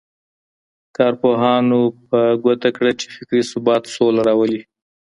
کارپوهانو په ګوته کړه چي فکري ثبات سوله راولي.